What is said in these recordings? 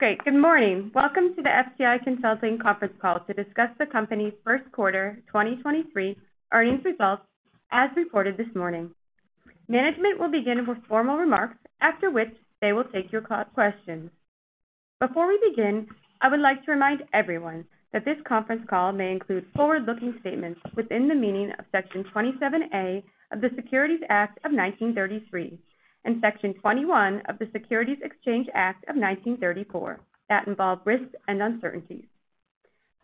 Great. Good morning. Welcome to the FTI Consulting conference call to discuss the company's first quarter 2023 earnings results as reported this morning. Management will begin with formal remarks, after which they will take your questions. Before we begin, I would like to remind everyone that this conference call may include forward-looking statements within the meaning of Section 27A of the Securities Act of 1933 and Section 21 of the Securities Exchange Act of 1934 that involve risks and uncertainties.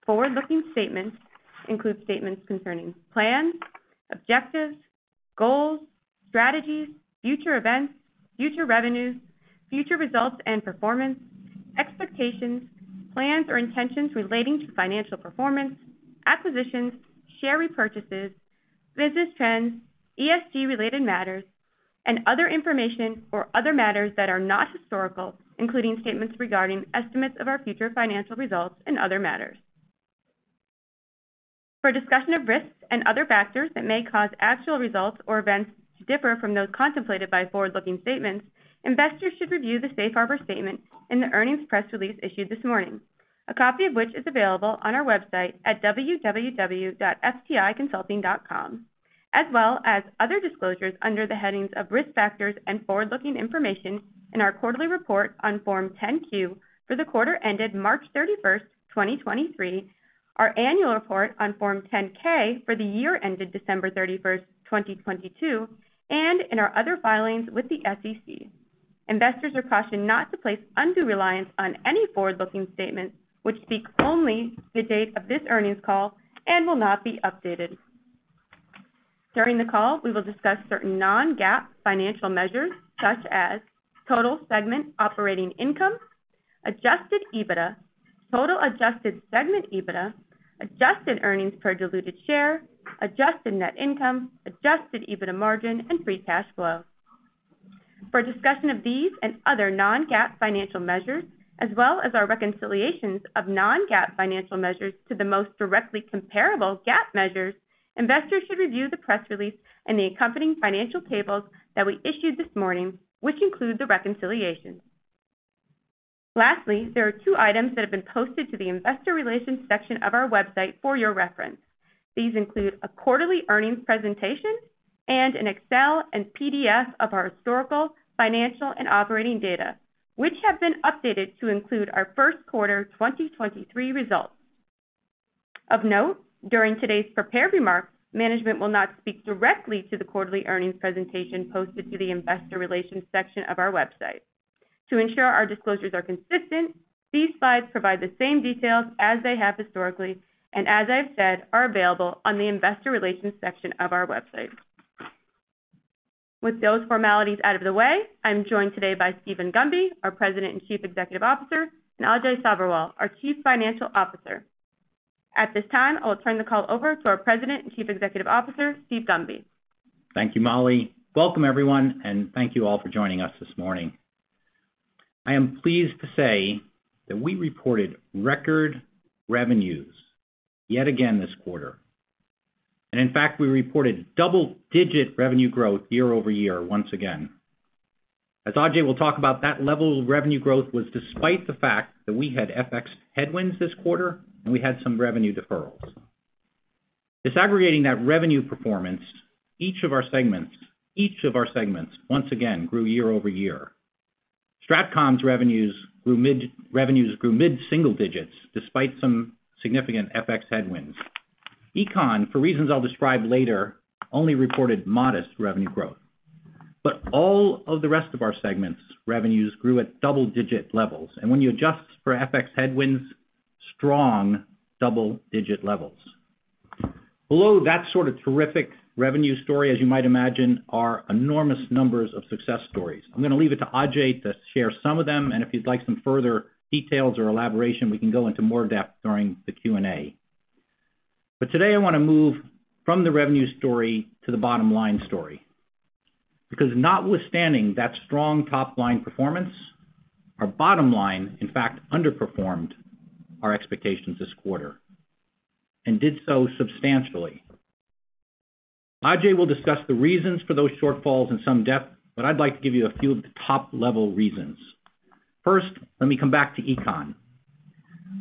Forward-looking statements include statements concerning plans, objectives, goals, strategies, future events, future revenues, future results and performance, expectations, plans or intentions relating to financial performance, acquisitions, share repurchases, business trends, ESG-related matters, and other information or other matters that are not historical, including statements regarding estimates of our future financial results and other matters. For a discussion of risks and other factors that may cause actual results or events to differ from those contemplated by forward-looking statements, investors should review the safe harbor statement in the earnings press release issued this morning, a copy of which is available on our website at www.fticonsulting.com, as well as other disclosures under the headings of Risk Factors and Forward-Looking Information in our quarterly report on Form 10-Q for the quarter ended March 31st, 2023, our annual report on Form 10-K for the year ended December 31st, 2022, and in our other filings with the SEC. Investors are cautioned not to place undue reliance on any forward-looking statements, which speak only the date of this earnings call and will not be updated. During the call, we will discuss certain non-GAAP financial measures, such as total segment operating income, adjusted EBITDA, total adjusted segment EBITDA, adjusted earnings per diluted share, adjusted net income, adjusted EBITDA margin, and free cash flow. For a discussion of these and other non-GAAP financial measures, as well as our reconciliations of non-GAAP financial measures to the most directly comparable GAAP measures, investors should review the press release and the accompanying financial tables that we issued this morning, which include the reconciliations. Lastly, there are two items that have been posted to the Investor Relations section of our website for your reference. These include a quarterly earnings presentation and an Excel and PDF of our historical, financial, and operating data, which have been updated to include our first quarter 2023 results. Of note, during today's prepared remarks, management will not speak directly to the quarterly earnings presentation posted to the Investor Relations section of our website. To ensure our disclosures are consistent, these slides provide the same details as they have historically, and as I've said, are available on the Investor Relations section of our website. With those formalities out of the way, I'm joined today by Steven Gunby, our President and Chief Executive Officer, and Ajay Sabherwal, our Chief Financial Officer. At this time, I'll turn the call over to our President and Chief Executive Officer, Steve Gunby. Thank you, Mollie. Welcome, everyone, and thank you all for joining us this morning. I am pleased to say that we reported record revenues yet again this quarter. In fact, we reported double-digit revenue growth year-over-year once again. As Ajay will talk about, that level of revenue growth was despite the fact that we had FX headwinds this quarter, and we had some revenue deferrals. Disaggregating that revenue performance, each of our segments, once again, grew year-over-year. Strat-Comm's revenues grew mid-single digits despite some significant FX headwinds. Econ, for reasons I'll describe later, only reported modest revenue growth. All of the rest of our segments' revenues grew at double-digit levels, and when you adjust for FX headwinds, strong double-digit levels. Below that sort of terrific revenue story, as you might imagine, are enormous numbers of success stories. I'm gonna leave it to Ajay to share some of them, and if you'd like some further details or elaboration, we can go into more depth during the Q&A. Today I wanna move from the revenue story to the bottom-line story. Notwithstanding that strong top-line performance, our bottom line, in fact, underperformed our expectations this quarter and did so substantially. Ajay will discuss the reasons for those shortfalls in some depth, but I'd like to give you a few of the top-level reasons. First, let me come back to Econ.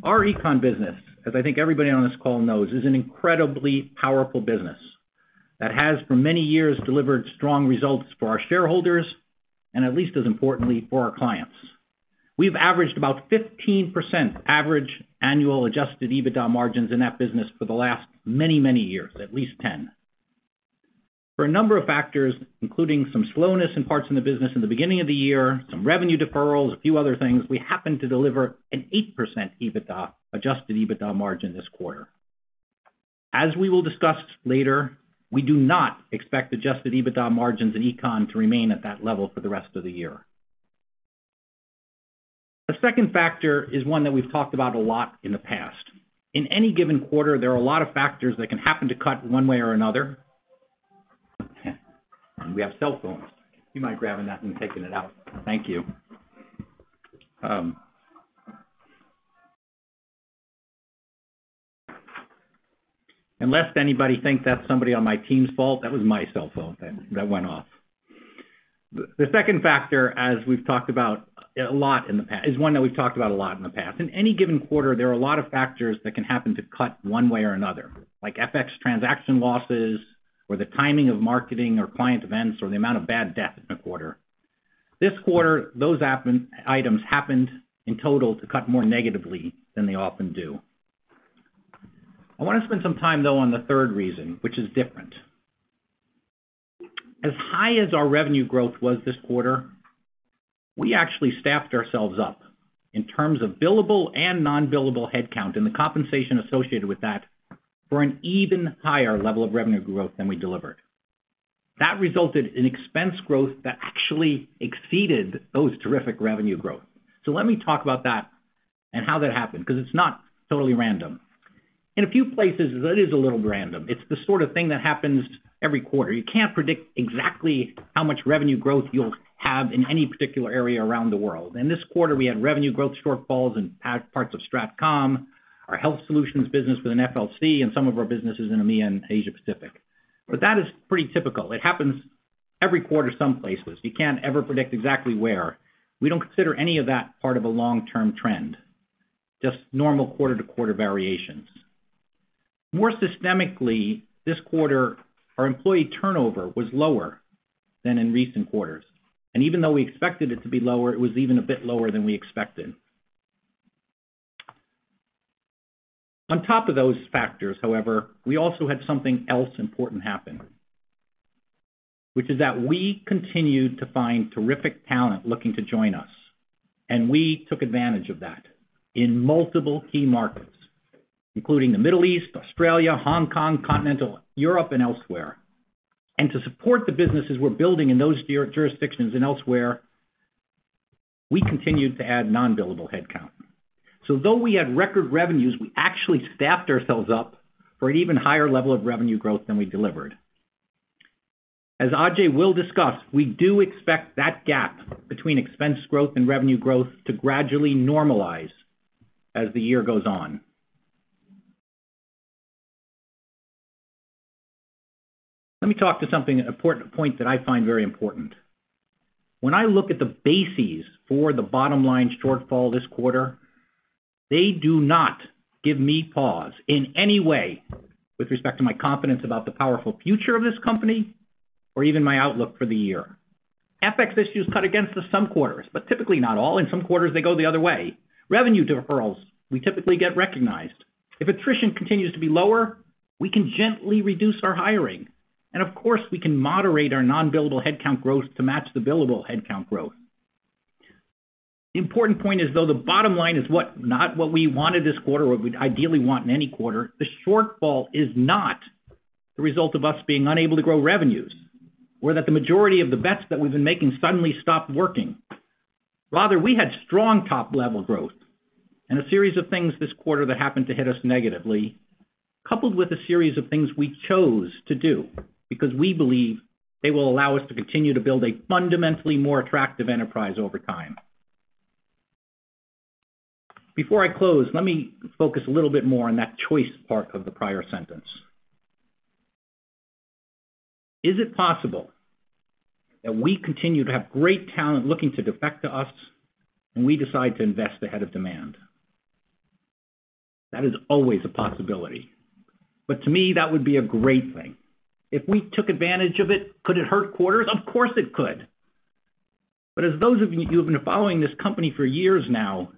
Our Econ business, as I think everybody on this call knows, is an incredibly powerful business that has for many years delivered strong results for our shareholders and at least as importantly for our clients. We've averaged about 15% average annual adjusted EBITDA margins in that business for the last many, many years, at least 10%. For a number of factors, including some slowness in parts in the business in the beginning of the year, some revenue deferrals, a few other things, we happen to deliver an 8% EBITDA, adjusted EBITDA margin this quarter. As we will discuss later, we do not expect adjusted EBITDA margins in Econ to remain at that level for the rest of the year. The second factor is one that we've talked about a lot in the past. In any given quarter, there are a lot of factors that can happen to cut one way or another. We have cellphones. Do you mind grabbing that and taking it out? Thank you. Lest anybody think that's somebody on my team's fault, that was my cell phone that went off. The second factor, as we've talked about a lot in the past is one that we've talked about a lot in the past. In any given quarter, there are a lot of factors that can happen to cut one way or another, like FX transaction losses or the timing of marketing or client events or the amount of bad debt in a quarter. This quarter, those items happened in total to cut more negatively than they often do. I want to spend some time, though, on the third reason, which is different. As high as our revenue growth was this quarter, we actually staffed ourselves up in terms of billable and non-billable headcount and the compensation associated with that for an even higher level of revenue growth than we delivered. That resulted in expense growth that actually exceeded those terrific revenue growth. Let me talk about that and how that happened, because it's not totally random. In a few places, it is a little random. It's the sort of thing that happens every quarter. You can't predict exactly how much revenue growth you'll have in any particular area around the world. This quarter, we had revenue growth shortfalls in parts of Strat-Comm, our health solutions business with an FLC and some of our businesses in EMEA and Asia Pacific. That is pretty typical. It happens every quarter some places. You can't ever predict exactly where. We don't consider any of that part of a long-term trend, just normal quarter-to-quarter variations. More systemically, this quarter, our employee turnover was lower than in recent quarters. Even though we expected it to be lower, it was even a bit lower than we expected. On top of those factors, however, we also had something else important happen, which is that we continued to find terrific talent looking to join us, and we took advantage of that in multiple key markets, including the Middle East, Australia, Hong Kong, Continental Europe, and elsewhere. To support the businesses we're building in those jurisdictions and elsewhere, we continued to add non-billable headcount. Though we had record revenues, we actually staffed ourselves up for an even higher level of revenue growth than we delivered. As Ajay will discuss, we do expect that gap between expense growth and revenue growth to gradually normalize as the year goes on. Let me talk to something important, a point that I find very important. When I look at the bases for the bottom line shortfall this quarter, they do not give me pause in any way with respect to my confidence about the powerful future of this company or even my outlook for the year. FX issues cut against us some quarters, but typically not all. In some quarters, they go the other way. Revenue deferrals, we typically get recognized. If attrition continues to be lower, we can gently reduce our hiring. Of course, we can moderate our non-billable headcount growth to match the billable headcount growth. The important point is, though, the bottom line is not what we wanted this quarter or we'd ideally want in any quarter, the shortfall is not the result of us being unable to grow revenues or that the majority of the bets that we've been making suddenly stopped working. Rather, we had strong top-level growth and a series of things this quarter that happened to hit us negatively, coupled with a series of things we chose to do because we believe they will allow us to continue to build a fundamentally more attractive enterprise over time. Before I close, let me focus a little bit more on that choice part of the prior sentence. Is it possible that we continue to have great talent looking to defect to us and we decide to invest ahead of demand? That is always a possibility. To me, that would be a great thing. If we took advantage of it, could it hurt quarters? Of course, it could. As those of you who have been following this company for years now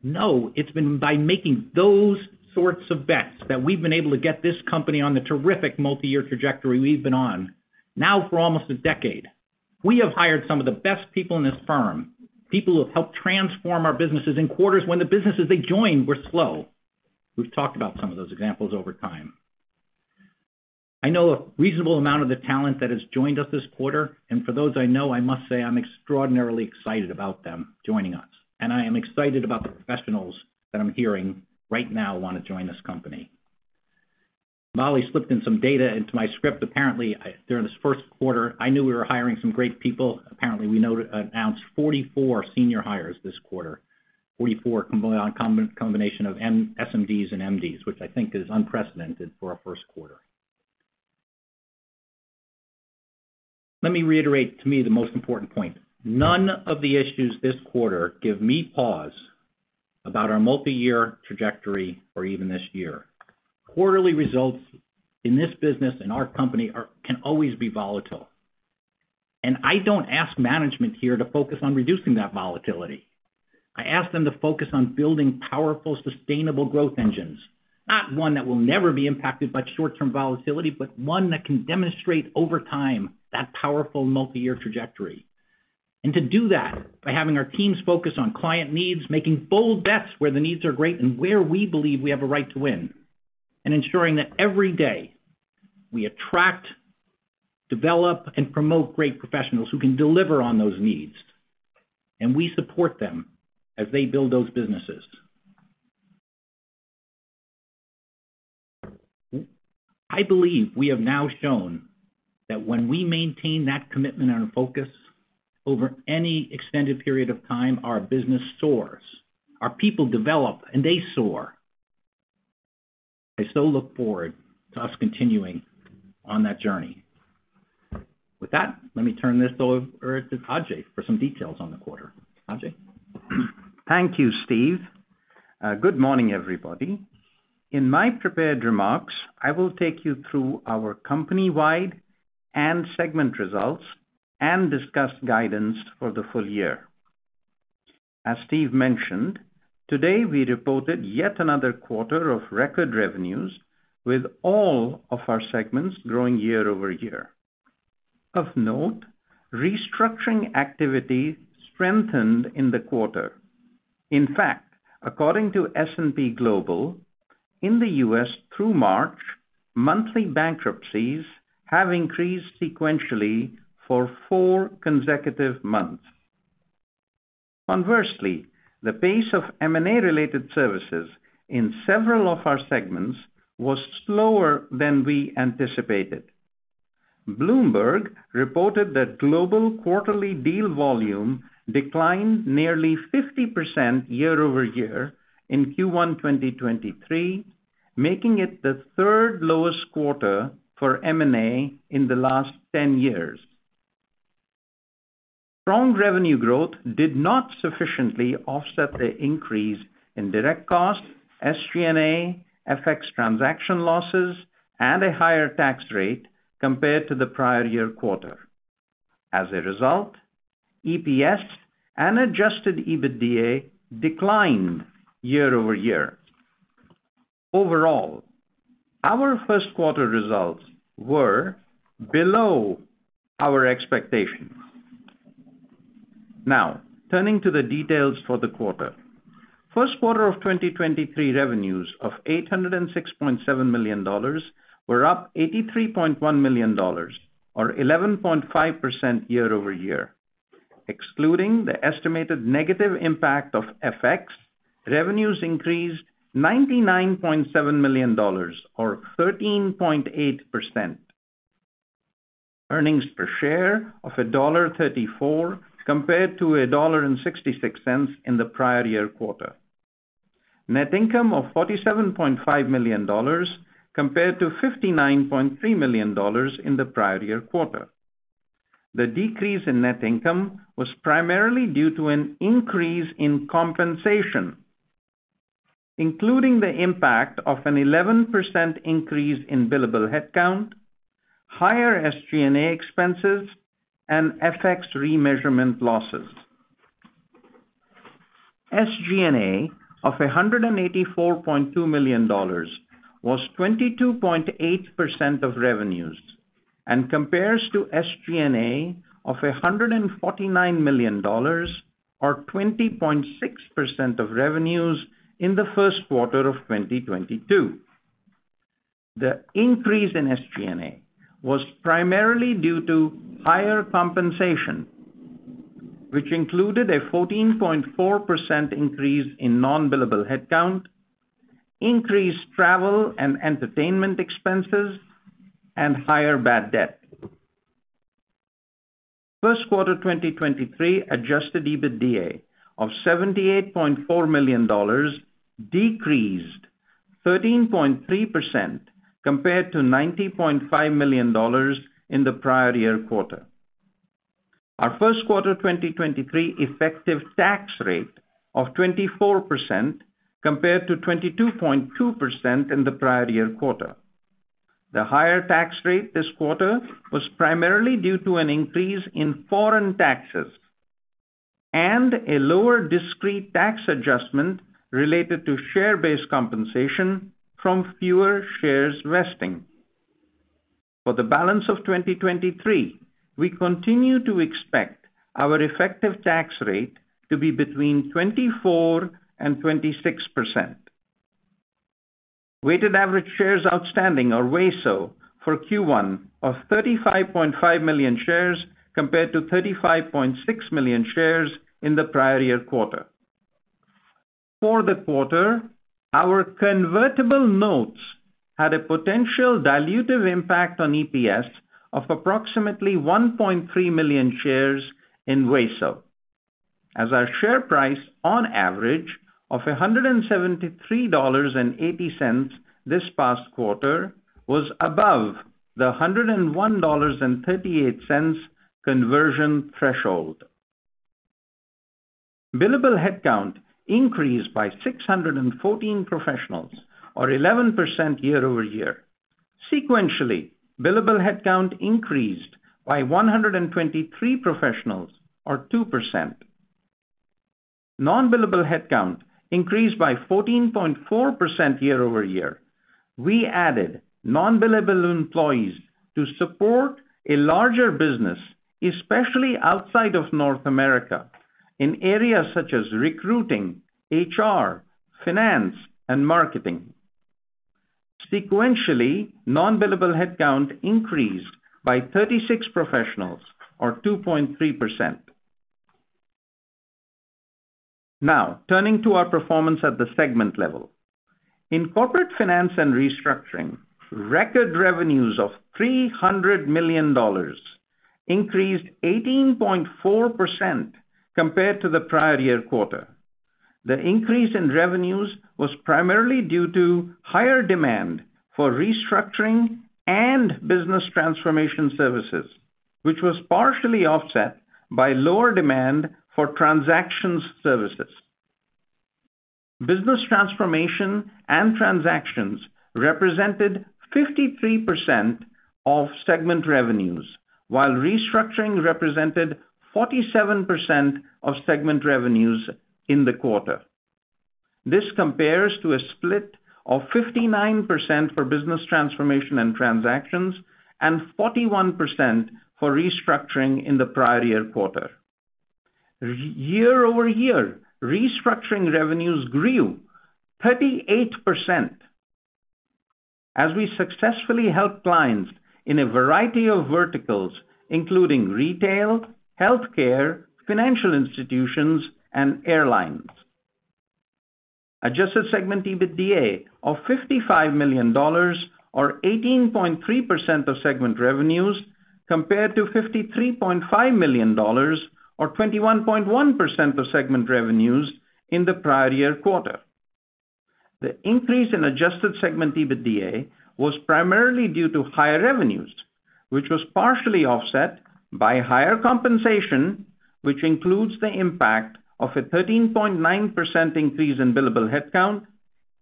know, it's been by making those sorts of bets that we've been able to get this company on the terrific multi-year trajectory we've been on now for almost a decade. We have hired some of the best people in this firm, people who have helped transform our businesses in quarters when the businesses they joined were slow. We've talked about some of those examples over time. I know a reasonable amount of the talent that has joined us this quarter, and for those I know, I must say I'm extraordinarily excited about them joining us, and I am excited about the professionals that I'm hearing right now want to join this company. Mollie slipped in some data into my script. Apparently, during this first quarter, I knew we were hiring some great people. Apparently, we know announced 44 senior hires this quarter. 44 combination of SMDs and MDs, which I think is unprecedented for our first quarter. Let me reiterate to me the most important point. None of the issues this quarter give me pause about our multi-year trajectory or even this year. Quarterly results in this business and our company can always be volatile, and I don't ask management here to focus on reducing that volatility. I ask them to focus on building powerful, sustainable growth engines, not one that will never be impacted by short-term volatility, but one that can demonstrate over time that powerful multi-year trajectory. To do that by having our teams focus on client needs, making bold bets where the needs are great and where we believe we have a right to win, and ensuring that every day we attract, develop, and promote great professionals who can deliver on those needs, and we support them as they build those businesses. I believe we have now shown that when we maintain that commitment and focus over any extended period of time, our business soars. Our people develop and they soar. I so look forward to us continuing on that journey. With that, let me turn this over to Ajay for some details on the quarter. Ajay? Thank you, Steve. Good morning, everybody. In my prepared remarks, I will take you through our company-wide and segment results and discuss guidance for the full year. As Steve mentioned, today, we reported yet another quarter of record revenues with all of our segments growing year-over-year. Of note, restructuring activity strengthened in the quarter. In fact, according to S&P Global, in the U.S. through March, monthly bankruptcies have increased sequentially for four consecutive months. Conversely, the pace of M&A-related services in several of our segments was slower than we anticipated. Bloomberg reported that global quarterly deal volume declined nearly 50% year-over-year in Q1 2023, making it the third lowest quarter for M&A in the last 10 years. Strong revenue growth did not sufficiently offset the increase in direct costs, SG&A, FX transaction losses, and a higher tax rate compared to the prior year quarter. As a result, EPS and adjusted EBITDA declined year-over-year. Overall, our first quarter results were below our expectations. Turning to the details for the quarter. First quarter of 2023 revenues of $806.7 million were up $83.1 million or 11.5% year-over-year. Excluding the estimated negative impact of FX, revenues increased $99.7 million or 13.8%. Earnings per share of $1.34 compared to $1.66 in the prior year quarter. Net income of $47.5 million compared to $59.3 million in the prior year quarter. The decrease in net income was primarily due to an increase in compensation, including the impact of an 11% increase in billable headcount, higher SG&A expenses, and FX remeasurement losses. SG&A of $184.2 million was 22.8% of revenues and compares to SG&A of $149 million or 20.6% of revenues in the first quarter of 2022. The increase in SG&A was primarily due to higher compensation, which included a 14.4% increase in non-billable headcount, increased travel and entertainment expenses, and higher bad debt. First quarter 2023 adjusted EBITDA of $78.4 million decreased 13.3% compared to $90.5 million in the prior year quarter. Our first quarter 2023 effective tax rate of 24% compared to 22.2% in the prior year quarter. The higher tax rate this quarter was primarily due to an increase in foreign taxes and a lower discrete tax adjustment related to share-based compensation from fewer shares vesting. For the balance of 2023, we continue to expect our effective tax rate to be between 24% and 26%. Weighted average shares outstanding or WASO for Q1 of 35.5 million shares compared to 35.6 million shares in the prior year quarter. For the quarter, our convertible notes had a potential dilutive impact on EPS of approximately 1.3 million shares in WASO, as our share price on average of $173.80 this past quarter was above the $101.38 conversion threshold. Billable headcount increased by 614 professionals or 11% year-over-year. Sequentially, billable headcount increased by 123 professionals or 2%. Non-billable headcount increased by 14.4% year-over-year. We added non-billable employees to support a larger business, especially outside of North America, in areas such as recruiting, HR, finance, and marketing. Sequentially, non-billable headcount increased by 36 professionals or 2.3%. Now turning to our performance at the segment level. In Corporate Finance & Restructuring, record revenues of $300 million increased 18.4% compared to the prior year quarter. The increase in revenues was primarily due to higher demand for restructuring and business transformation services, which was partially offset by lower demand for transactions services. Business transformation and transactions represented 53% of segment revenues, while restructuring represented 47% of segment revenues in the quarter. This compares to a split of 59% for business transformation and transactions and 41% for restructuring in the prior year quarter. Year-over-year, restructuring revenues grew 38% as we successfully helped clients in a variety of verticals, including retail, healthcare, financial institutions, and airlines. Adjusted segment EBITDA of $55 million or 18.3% of segment revenues, compared to $53.5 million or 21.1% of segment revenues in the prior year quarter. The increase in adjusted segment EBITDA was primarily due to higher revenues, which was partially offset by higher compensation, which includes the impact of a 13.9% increase in billable headcount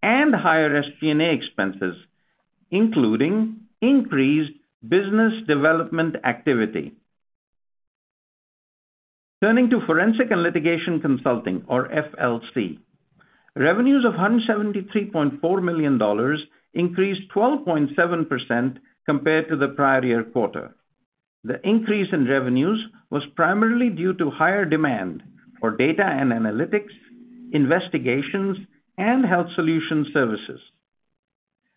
and higher SG&A expenses, including increased business development activity. Turning to Forensic and Litigation Consulting or FLC. Revenues of $173.4 million increased 12.7% compared to the prior year quarter. The increase in revenues was primarily due to higher demand for data and analytics, investigations, and health solution services.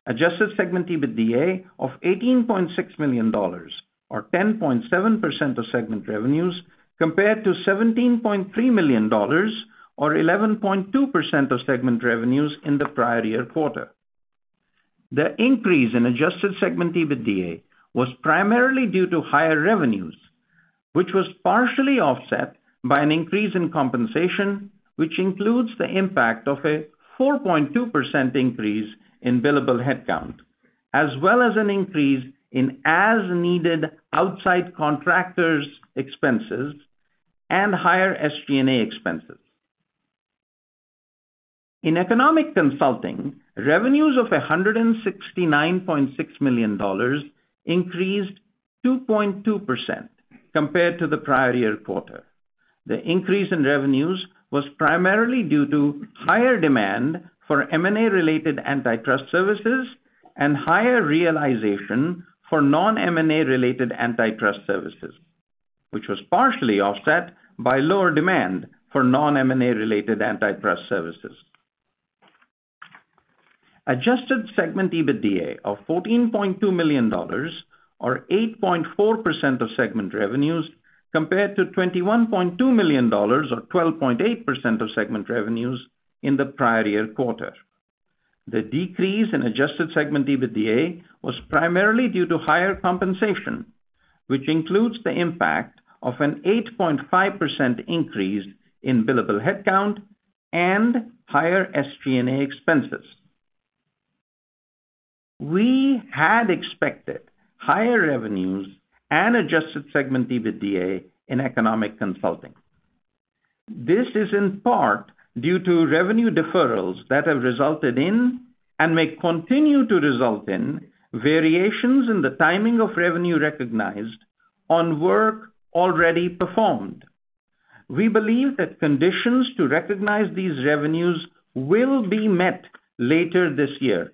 Adjusted segment EBITDA of $18.6 million or 10.7% of segment revenues, compared to $17.3 million or 11.2% of segment revenues in the prior year quarter. The increase in adjusted segment EBITDA was primarily due to higher revenues, which was partially offset by an increase in compensation, which includes the impact of a 4.2% increase in billable headcount, as well as an increase in as-needed outside contractors expenses and higher SG&A expenses. In Economic Consulting, revenues of $169.6 million increased 2.2% compared to the prior year quarter. The increase in revenues was primarily due to higher demand for M&A related antitrust services and higher realization for non-M&A related antitrust services, which was partially offset by lower demand for non-M&A related antitrust services. Adjusted segment EBITDA of $14.2 million or 8.4% of segment revenues compared to $21.2 million or 12.8% of segment revenues in the prior year quarter. The decrease in adjusted segment EBITDA was primarily due to higher compensation, which includes the impact of an 8.5% increase in billable headcount and higher SG&A expenses. We had expected higher revenues and adjusted segment EBITDA in Economic Consulting. This is in part due to revenue deferrals that have resulted in and may continue to result in variations in the timing of revenue recognized on work already performed. We believe that conditions to recognize these revenues will be met later this year and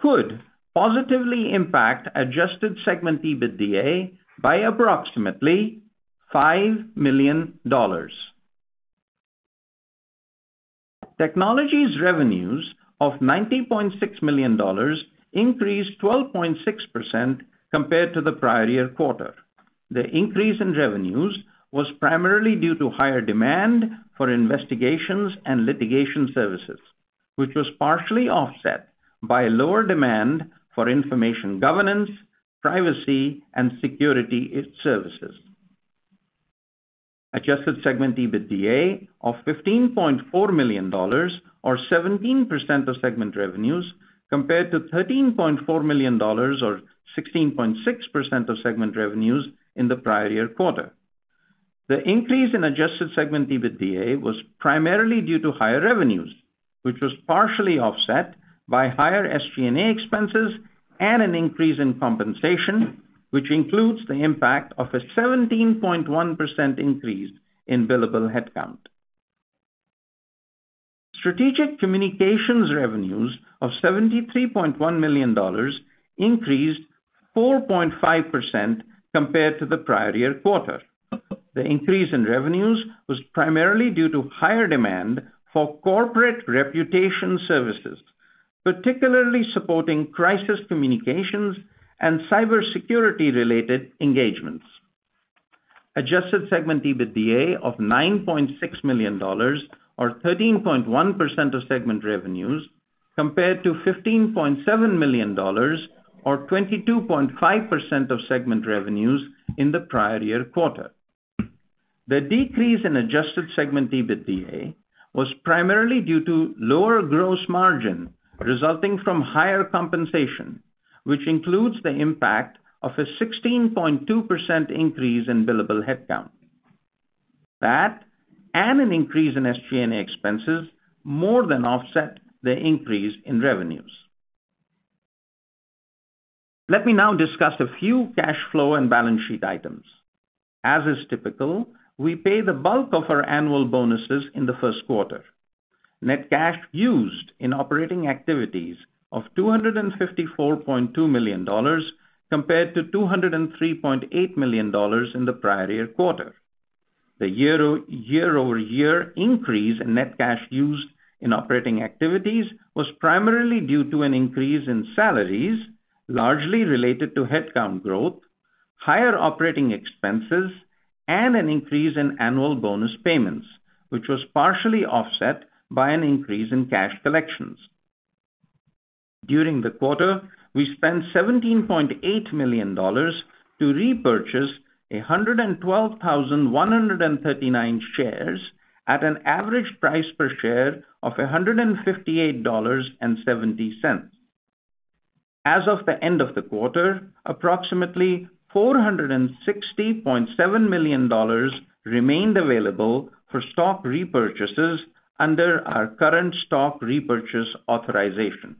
could positively impact adjusted segment EBITDA by approximately $5 million. Technology's revenues of $90.6 million increased 12.6% compared to the prior year quarter. The increase in revenues was primarily due to higher demand for investigations and litigation services, which was partially offset by lower demand for information governance, privacy, and security services. adjusted segment EBITDA of $15.4 million or 17% of segment revenues compared to $13.4 million or 16.6% of segment revenues in the prior year quarter. The increase in adjusted segment EBITDA was primarily due to higher revenues, which was partially offset by higher SG&A expenses and an increase in compensation, which includes the impact of a 17.1% increase in billable headcount. Strategic Communications revenues of $73.1 million increased 4.5% compared to the prior year quarter. The increase in revenues was primarily due to higher demand for corporate reputation services. Particularly supporting crisis communications and cybersecurity-related engagements. Adjusted segment EBITDA of $9.6 million or 13.1% of segment revenues compared to $15.7 million or 22.5% of segment revenues in the prior year quarter. The decrease in adjusted segment EBITDA was primarily due to lower gross margin resulting from higher compensation, which includes the impact of a 16.2% increase in billable headcount. That and an increase in SG&A expenses more than offset the increase in revenues. Let me now discuss a few cash flow and balance sheet items. As is typical, we pay the bulk of our annual bonuses in the first quarter. Net cash used in operating activities of $254.2 million compared to $203.8 million in the prior year quarter. The year-over-year increase in net cash used in operating activities was primarily due to an increase in salaries, largely related to headcount growth, higher operating expenses, and an increase in annual bonus payments, which was partially offset by an increase in cash collections. During the quarter, we spent $17.8 million to repurchase 112,139 shares at an average price per share of $158.70. As of the end of the quarter, approximately $460.7 million remained available for stock repurchases under our current stock repurchase authorization.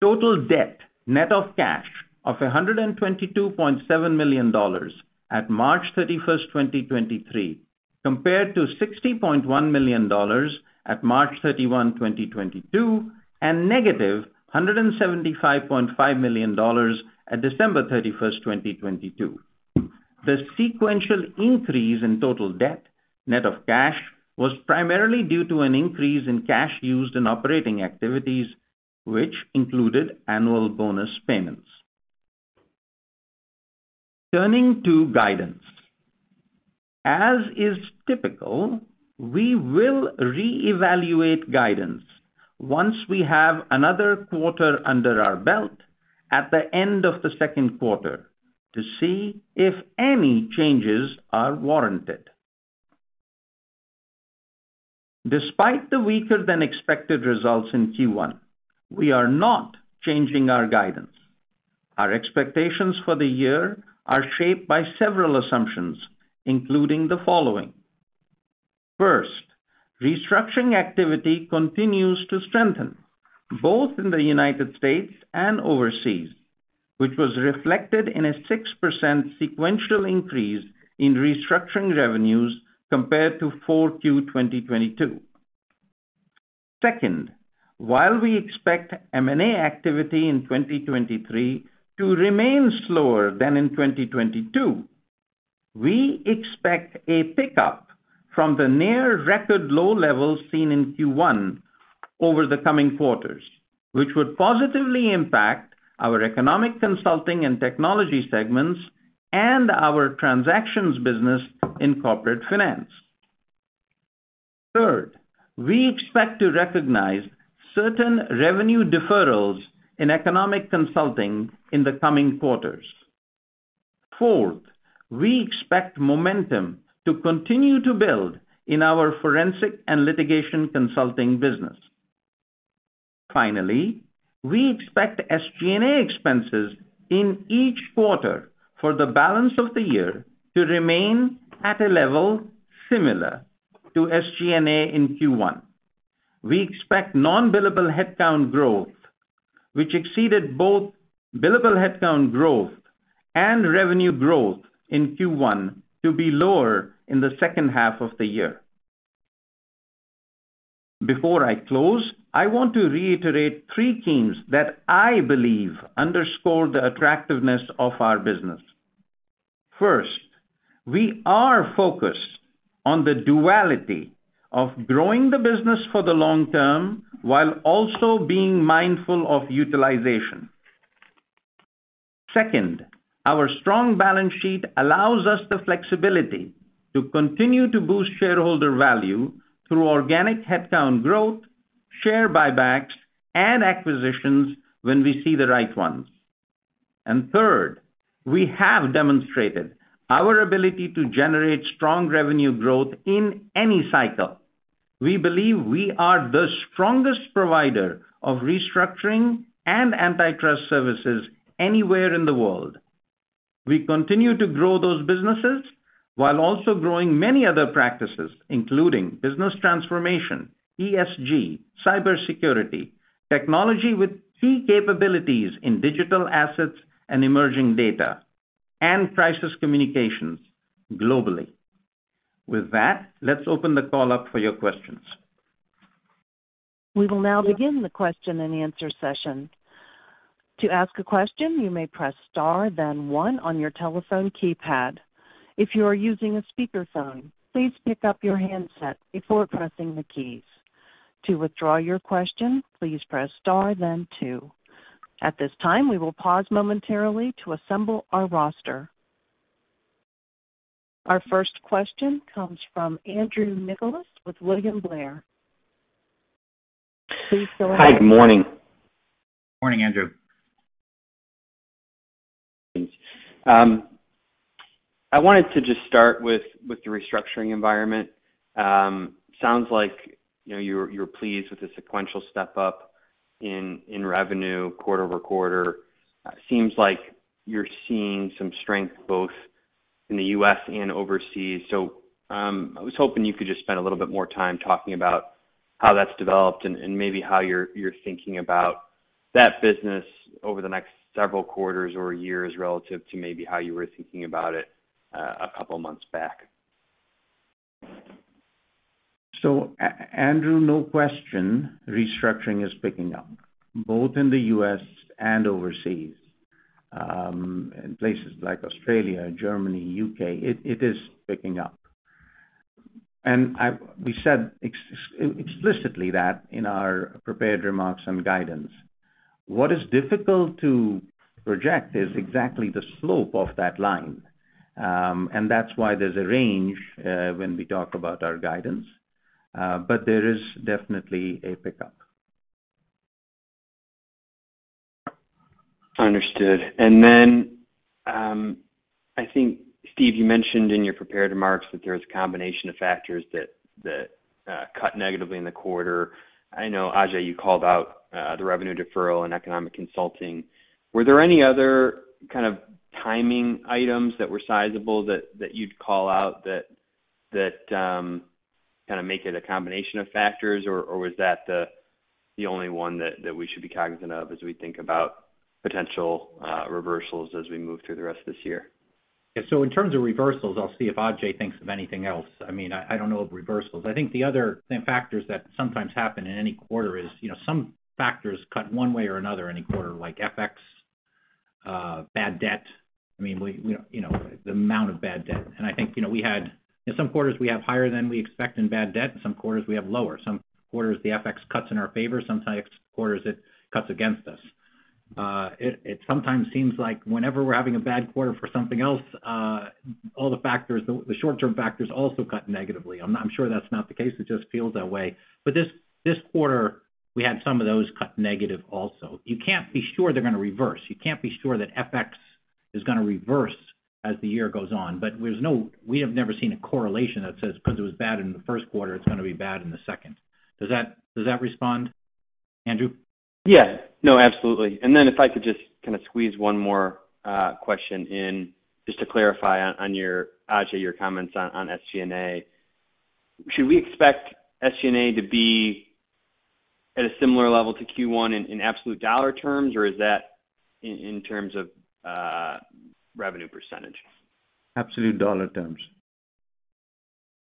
Total debt net of cash of $122.7 million at March 31st, 2023, compared to $60.1 million at March 31st, 2022, and negative $175.5 million at December 31st, 2022. The sequential increase in total debt net of cash was primarily due to an increase in cash used in operating activities, which included annual bonus payments. Turning to guidance. As is typical, we will reevaluate guidance once we have another quarter under our belt at the end of the second quarter to see if any changes are warranted. Despite the weaker than expected results in Q1, we are not changing our guidance. Our expectations for the year are shaped by several assumptions, including the following. First, restructuring activity continues to strengthen both in the United States and overseas, which was reflected in a 6% sequential increase in restructuring revenues compared to 4Q 2022. Second, while we expect M&A activity in 2023 to remain slower than in 2022, we expect a pickup from the near record low levels seen in Q1 over the coming quarters, which would positively impact our Economic Consulting and Technology segments and our transactions business in Corporate Finance. Third, we expect to recognize certain revenue deferrals in Economic Consulting in the coming quarters. Fourth, we expect momentum to continue to build in our Forensic and Litigation Consulting business. Finally, we expect SG&A expenses in each quarter for the balance of the year to remain at a level similar to SG&A in Q1. We expect non-billable headcount growth, which exceeded both billable headcount growth and revenue growth in Q1 to be lower in the second half of the year. Before I close, I want to reiterate three themes that I believe underscore the attractiveness of our business. First, we are focused on the duality of growing the business for the long term while also being mindful of utilization. Second, our strong balance sheet allows us the flexibility to continue to boost shareholder value through organic headcount growth, share buybacks and acquisitions when we see the right ones. And third, we have demonstrated our ability to generate strong revenue growth in any cycle. We believe we are the strongest provider of restructuring and antitrust services anywhere in the world. We continue to grow those businesses while also growing many other practices including business transformation, ESG, cybersecurity, Technology with key capabilities in digital assets and emerging data and crisis communications globally. With that, let's open the call up for your questions. We will now begin the question and answer session. To ask a question, you may press star then one on your telephone keypad. If you are using a speakerphone, please pick up your handset before pressing the keys. To withdraw your question, please press star then two. At this time, we will pause momentarily to assemble our roster. Our first question comes from Andrew Nicholas with William Blair. Please go ahead. Hi, good morning. Morning, Andrew. I wanted to just start with the restructuring environment. Sounds like, you know, you're pleased with the sequential step-up in revenue quarter-over-quarter. Seems like you're seeing some strength both in the U.S. and overseas. I was hoping you could just spend a little bit more time talking about how that's developed and maybe how you're thinking about that business over the next several quarters or years relative to maybe how you were thinking about it a couple months back. Andrew, no question, restructuring is picking up both in the U.S. and overseas, in places like Australia, Germany, U.K., it is picking up. We said explicitly that in our prepared remarks and guidance. What is difficult to project is exactly the slope of that line. That's why there's a range when we talk about our guidance, there is definitely a pickup. Understood. I think, Steve, you mentioned in your prepared remarks that there's a combination of factors that cut negatively in the quarter. I know, Ajay, you called out the revenue deferral and Economic Consulting. Were there any other kind of timing items that were sizable that you'd call out that kinda make it a combination of factors, or was that the only one that we should be cognizant of as we think about potential reversals as we move through the rest of this year? Yeah. In terms of reversals, I'll see if Ajay thinks of anything else. I mean, I don't know of reversals. I think the other factors that sometimes happen in any quarter is, you know, some factors cut one way or another any quarter, like FX, bad debt, I mean, we, you know, the amount of bad debt. I think, you know, in some quarters, we have higher than we expect in bad debt, and some quarters we have lower. Some quarters, the FX cuts in our favor, sometimes quarters it cuts against us. It sometimes seems like whenever we're having a bad quarter for something else, all the factors, the short-term factors also cut negatively. I'm not sure that's not the case, it just feels that way. This quarter, we had some of those cut negative also. You can't be sure they're gonna reverse, you can't be sure that FX is gonna reverse as the year goes on. We have never seen a correlation that says 'cause it was bad in the first quarter, it's gonna be bad in the second. Does that respond, Andrew? Yeah. No, absolutely. If I could just, kind of squeeze one more question in just to clarify on your, Ajay, your comments on SG&A. Should we expect SG&A to be at a similar level to Q1 in absolute dollar terms, or is that in terms of revenue percentage? Absolute dollar terms.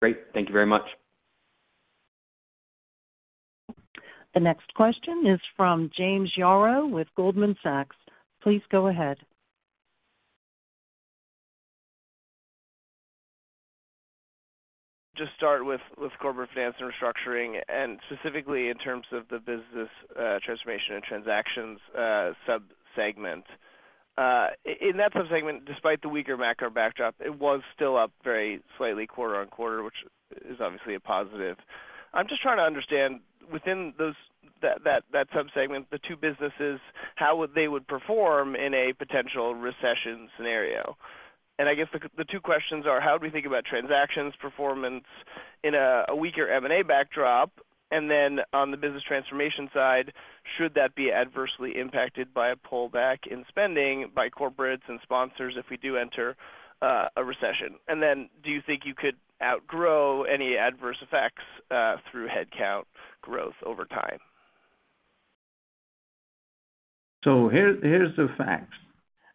Great. Thank you very much. The next question is from James Yaro with Goldman Sachs. Please go ahead. Just start with Corporate Finance & Restructuring, and specifically in terms of the business transformation and transactions sub-segment. In that sub-segment, despite the weaker macro backdrop, it was still up very slightly quarter-on-quarter, which is obviously a positive. I'm just trying to understand within that sub-segment, the two businesses, how they would perform in a potential recession scenario? I guess the two questions are, how do we think about transactions performance in a weaker M&A backdrop? On the business transformation side, should that be adversely impacted by a pullback in spending by corporates and sponsors if we do enter a recession? Do you think you could outgrow any adverse effects through headcount growth over time? Here's the facts.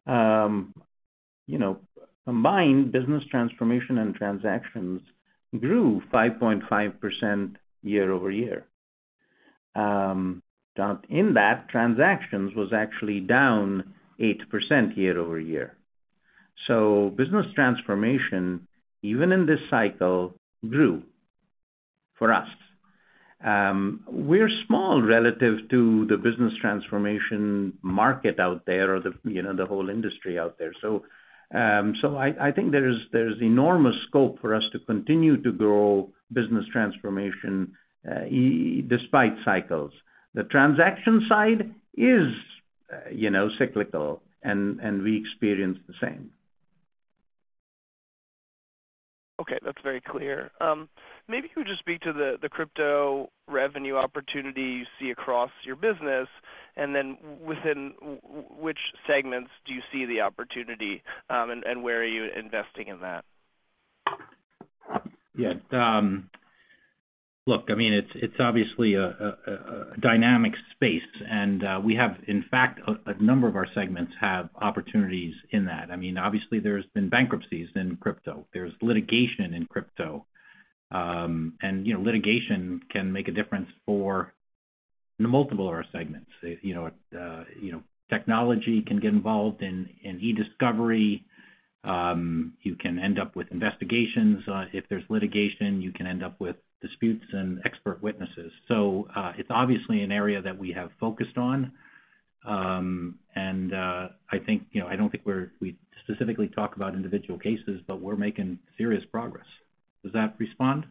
You know, combined business transformation and transactions grew 5.5% year-over-year. In that, transactions was actually down 8% year-over-year. Business transformation, even in this cycle, grew for us. We're small relative to the business transformation market out there or the, you know, the whole industry out there. I think there is enormous scope for us to continue to grow business transformation despite cycles. The transaction side is, you know, cyclical, and we experience the same. Okay. That's very clear. maybe you could just speak to the crypto revenue opportunity you see across your business. Within which segments do you see the opportunity, and where are you investing in that? Yeah. Look, I mean, it's obviously a dynamic space, and we have, in fact, a number of our segments have opportunities in that. I mean, obviously, there's been bankruptcies in crypto, there's litigation in crypto. You know, litigation can make a difference for in multiple of our segments. You know, Technology can get involved in e-discovery. You can end up with investigations. If there's litigation, you can end up with disputes and expert witnesses. It's obviously an area that we have focused on. I think, you know, I don't think we specifically talk about individual cases, but we're making serious progress. Does that respond?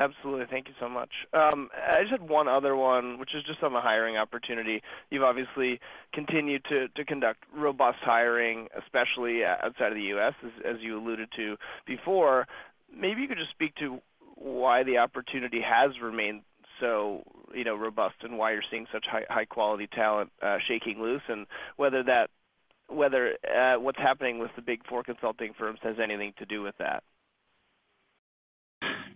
Absolutely. Thank you so much. I just had one other one, which is just on the hiring opportunity. You've obviously continued to conduct robust hiring, especially outside of the U.S., as you alluded to before. Maybe you could just speak to why the opportunity has remained so, you know, robust, and why you're seeing such high-quality talent shaking loose, and whether what's happening with the Big Four consulting firms has anything to do with that.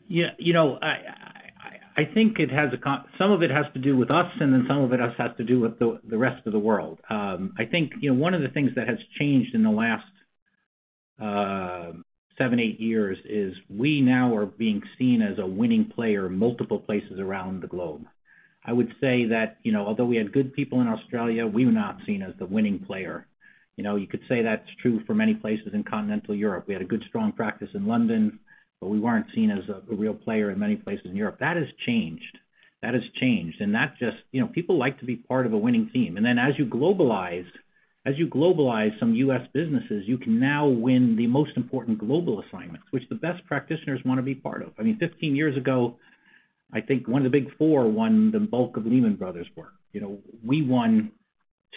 Yeah, you know, I think it has some of it has to do with us, and then some of it has to do with the rest of the world. I think, you know, one of the things that has changed in the last seven, eight years is we now are being seen as a winning player multiple places around the globe. I would say that, you know, although we had good people in Australia, we were not seen as the winning player. You know, you could say that's true for many places in continental Europe. We had a good, strong practice in London, but we weren't seen as a real player in many places in Europe. That has changed. That has changed. That just. You know, people like to be part of a winning team. As you globalize some U.S. businesses, you can now win the most important global assignments, which the best practitioners wanna be part of. I mean, 15 years ago, I think one of the Big Four won the bulk of Lehman Brothers work. You know, we won.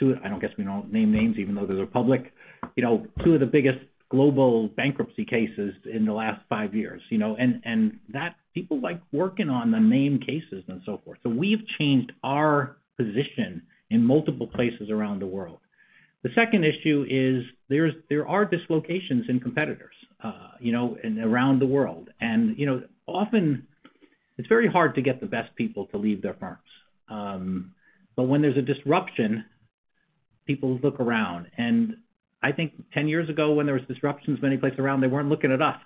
I don't guess we name names even though they're public. You know, two of the biggest global bankruptcy cases in the last five years, you know. People like working on the name cases and so forth. We've changed our position in multiple places around the world. The second issue is there are dislocations in competitors, you know, in, around the world. You know, often it's very hard to get the best people to leave their firms. When there's a disruption, people look around. I think 10 years ago, when there was disruptions many places around, they weren't looking at us.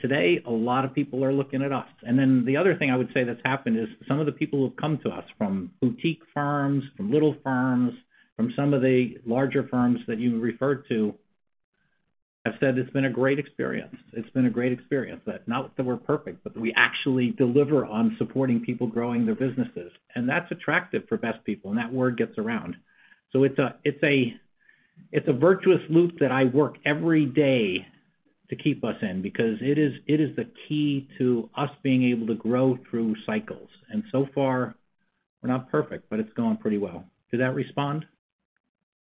Today, a lot of people are looking at us. The other thing I would say that's happened is some of the people who have come to us from boutique firms, from little firms, from some of the larger firms that you referred to, have said it's been a great experience. It's been a great experience. Not that we're perfect, but we actually deliver on supporting people growing their businesses. That's attractive for best people, and that word gets around. It's a virtuous loop that I work every day to keep us in because it is the key to us being able to grow through cycles. So far, we're not perfect, but it's going pretty well. Did that respond?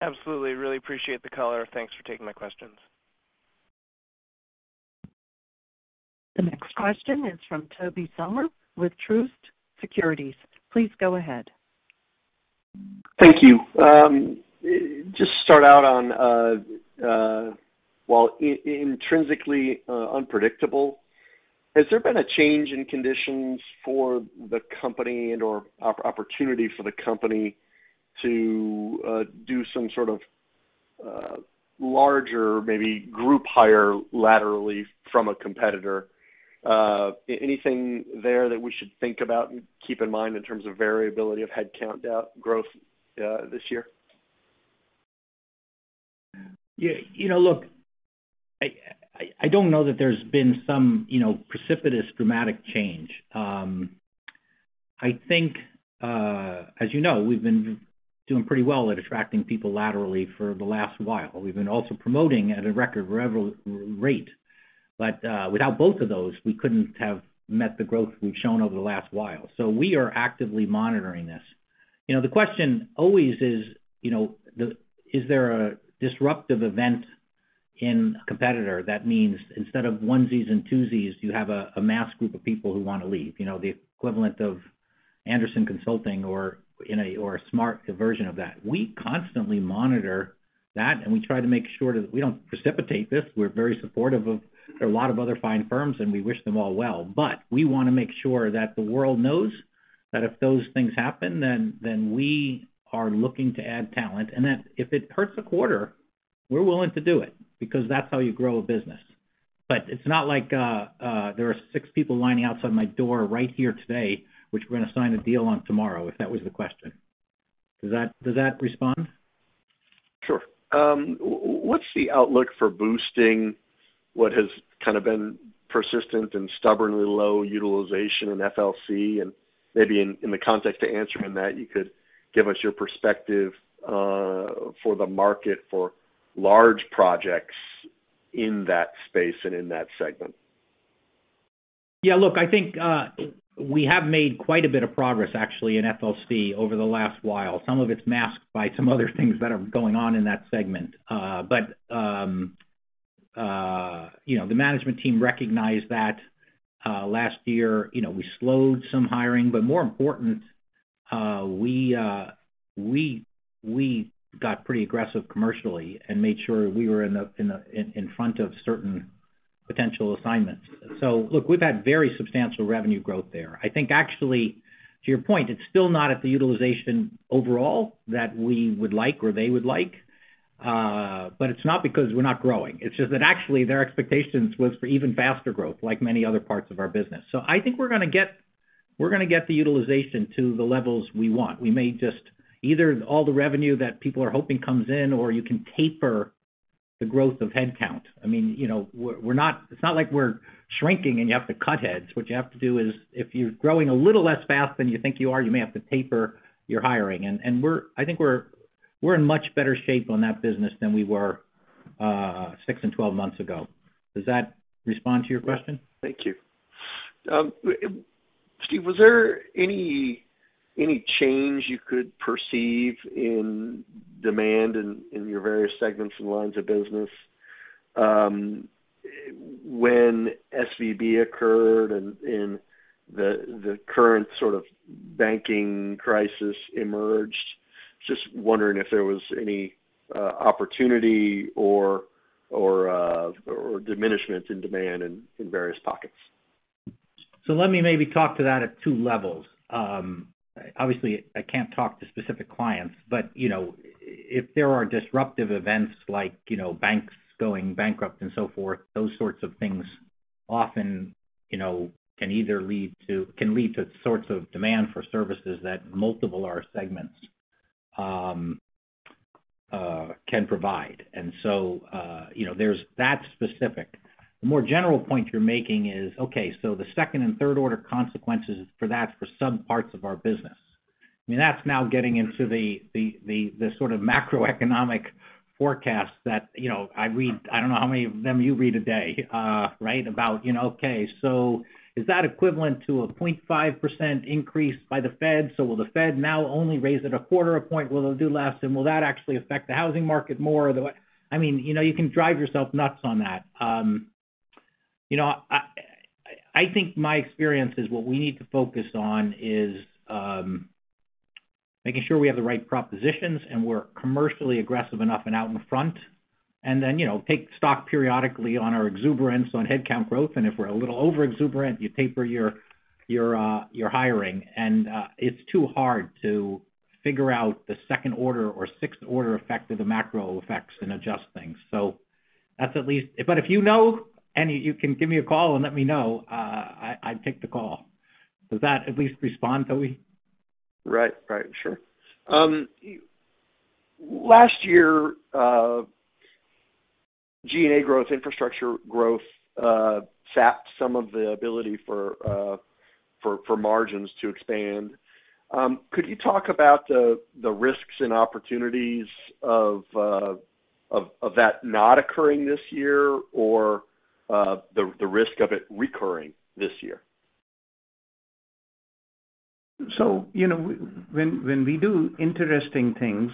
Absolutely. Really appreciate the color. Thanks for taking my questions. The next question is from Tobey Sommer with Truist Securities. Please go ahead. Thank you. Just start out on, while intrinsically unpredictable, has there been a change in conditions for the company and/or opportunity for the company to do some sort of larger, maybe group hire laterally from a competitor? Anything there that we should think about and keep in mind in terms of variability of headcount, growth, this year? Yeah. You know, look, I don't know that there's been some, you know, precipitous dramatic change. I think as you know, we've been doing pretty well at attracting people laterally for the last while. We've been also promoting at a record rate. Without both of those, we couldn't have met the growth we've shown over the last while. We are actively monitoring this. You know, the question always is, you know, Is there a disruptive event in a competitor that means instead of onesies and twosies, you have a mass group of people who wanna leave? You know, the equivalent of Andersen Consulting or, you know, or a smart version of that. We constantly monitor that, and we try to make sure that we don't precipitate this. We're very supportive of a lot of other fine firms. We wish them all well. We wanna make sure that the world knows that if those things happen, then we are looking to add talent, and that if it hurts a quarter, we're willing to do it because that's how you grow a business. It's not like there are six people lining outside my door right here today, which we're gonna sign a deal on tomorrow, if that was the question. Does that respond? Sure. what's the outlook for boosting what has kind of been persistent and stubbornly low utilization in FLC? Maybe in the context to answering that, you could give us your perspective for the market for large projects in that space and in that segment. Yeah, look, I think, we have made quite a bit of progress actually in FLC over the last while. Some of it's masked by some other things that are going on in that segment. You know, the management team recognized that, last year. You know, we slowed some hiring, but more important, we got pretty aggressive commercially and made sure we were in front of certain potential assignments. Look, we've had very substantial revenue growth there. I think actually, to your point, it's still not at the utilization overall that we would like or they would like, but it's not because we're not growing. It's just that actually their expectations was for even faster growth, like many other parts of our business. I think we're gonna get the utilization to the levels we want. We may just either all the revenue that people are hoping comes in, or you can taper the growth of head count. I mean, you know, we're not. It's not like we're shrinking and you have to cut heads. What you have to do is, if you're growing a little less fast than you think you are, you may have to taper your hiring. I think we're in much better shape on that business than we were six and 12 months ago. Does that respond to your question? Thank you. Steve, was there any change you could perceive in demand in your various segments and lines of business, when SVB occurred and the current sort of banking crisis emerged? Just wondering if there was any opportunity or diminishment in demand in various pockets. Let me maybe talk to that at two levels. obviously, I can't talk to specific clients. you know, if there are disruptive events like, you know, banks going bankrupt and so forth, those sorts of things often, you know, can lead to sorts of demand for services that multiple of our segments, can provide. you know, there's that specific. The more general point you're making is, okay, so the second and third order consequences for that for some parts of our business. I mean, that's now getting into the sort of macroeconomic forecast that, you know, I read, I don't know how many of them you read a day, right? About, you know, okay, so is that equivalent to a 0.5% increase by the Fed? Will the Fed now only raise it 0.25 a point? Will they do less? Will that actually affect the housing market more? I mean, you know, you can drive yourself nuts on that. You know, I think my experience is what we need to focus on is making sure we have the right propositions and we're commercially aggressive enough and out in front. Then, you know, take stock periodically on our exuberance on head count growth. If we're a little over-exuberant, you taper your hiring. It's too hard to figure out the 2nd order or 6th order effect of the macro effects and adjust things. That's at least. If you know any, you can give me a call and let me know. I'd take the call. Does that at least respond, Billy? Right. Right. Sure. last year, G&A growth, infrastructure growth, sapped some of the ability for margins to expand. Could you talk about the risks and opportunities of that not occurring this year or, the risk of it recurring this year? You know, when we do interesting things,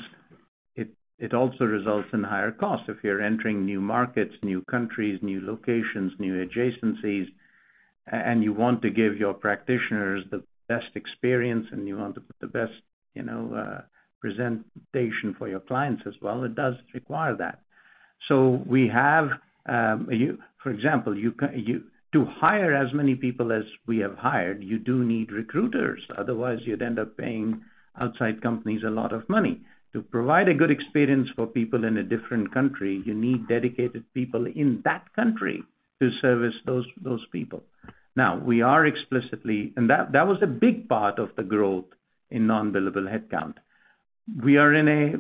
it also results in higher costs. If you're entering new markets, new countries, new locations, new adjacencies, and you want to give your practitioners the best experience and you want the best, you know, presentation for your clients as well, it does require that. We have, for example, you to hire as many people as we have hired, you do need recruiters. Otherwise, you'd end up paying outside companies a lot of money. To provide a good experience for people in a different country, you need dedicated people in that country to service those people. We are explicitly. That was a big part of the growth in non-billable head count. We are in a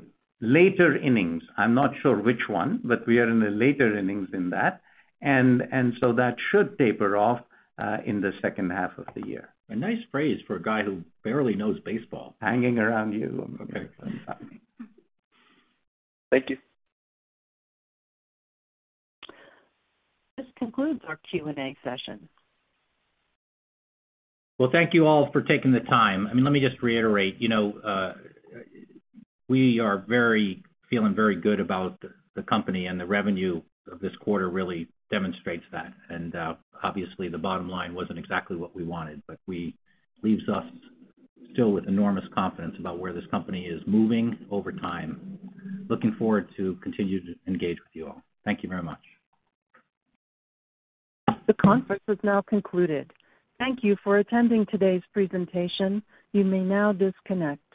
later innings. I'm not sure which one, but we are in a later innings in that. That should taper off in the second half of the year. A nice phrase for a guy who barely knows baseball. Hanging around you. Okay. Thank you. This concludes our Q&A session. Well, thank you all for taking the time. I mean, let me just reiterate, you know, feeling very good about the company, and the revenue of this quarter really demonstrates that. Obviously, the bottom line wasn't exactly what we wanted, but leaves us still with enormous confidence about where this company is moving over time. Looking forward to continue to engage with you all. Thank you very much. The conference has now concluded. Thank you for attending today's presentation. You may now disconnect.